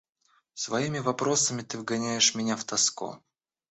Своими вопросами ты вгоняешь меня в тоску.